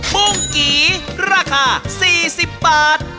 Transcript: บุ้งกี่ราคา๔๐บาท